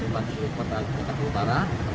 dan kedipo kota jakarta utara